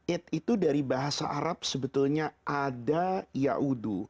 id itu dari bahasa arab sebetulnya adha ya'udhu